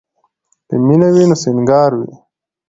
که مینه وي نو سینګار وي.